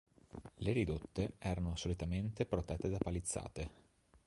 Le ridotte erano solitamente protette da palizzate.